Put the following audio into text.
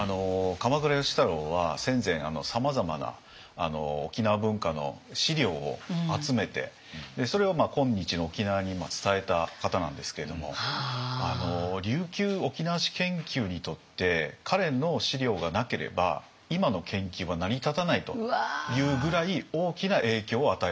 鎌倉芳太郎は戦前さまざまな沖縄文化の資料を集めてそれを今日の沖縄に伝えた方なんですけれども琉球沖縄史研究にとって彼の資料がなければ今の研究は成り立たないというぐらい大きな影響を与えた。